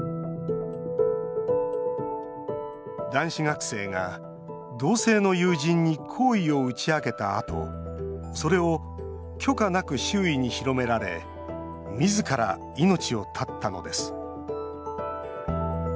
男子学生が同性の友人に好意を打ち明けたあとそれを許可なく周囲に広められみずから命を絶ったのです。